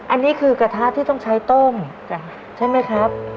อันนี้คือกระทะที่ต้องใช้ต้มใช่ไหมครับ